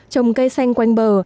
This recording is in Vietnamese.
trồng cây xanh quanh bờ